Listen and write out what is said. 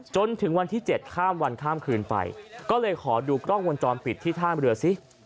จนถึงวันที่๗ข้ามวันข้ามคืนไปก็เลยขอดูกล้องวงจรปิดที่ท่ามเรือสิ